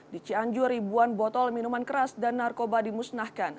di cianjur ribuan botol minuman keras dan narkoba dimusnahkan